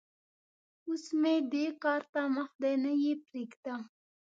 اوس م ېنو دې کار ته مخ دی؛ نه يې پرېږدم.